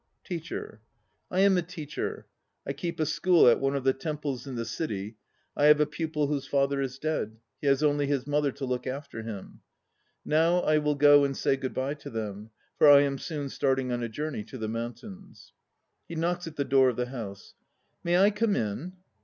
TEACHER. I am a teacher. I keep a school at one of the temples in the City I have a pupil whose father is dead; he has only his mother to look after him. Now I will go and say good bye to them, for I am soon starting on a journey to the mountains. (He knocks at the door of the house.) May I come in?